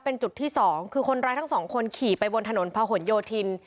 เป็นจุดที่สองคือคนร้ายทั้งสองคนขี่ไปบนถนนพะหนโยธิน